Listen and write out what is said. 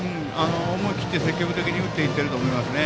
思い切って積極的に振っていっていると思いますね。